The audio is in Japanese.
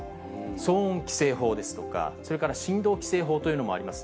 騒音規制法ですとか、それから振動規制法というのもあります。